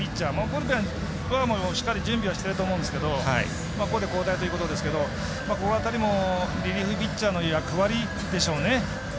ブルペンは、しっかり準備してると思うんですがここで交代ということですけどこの辺りもリリーフピッチャーの役割でしょうね。